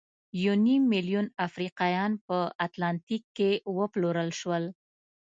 یو نیم میلیون افریقایان په اتلانتیک کې وپلورل شول.